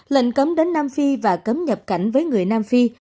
lệnh cấm đến nam phi và cấm nhập cảnh với người nam phi